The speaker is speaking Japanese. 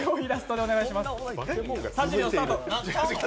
３０秒、スタート。